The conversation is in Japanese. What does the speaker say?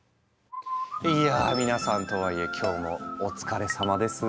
いやあ皆さんとはいえ今日もお疲れさまです。